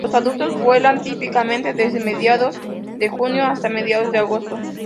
Los adultos vuelan típicamente desde mediados de junio hasta mediados de agosto.